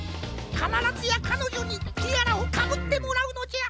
かならずやかのじょにティアラをかぶってもらうのじゃ。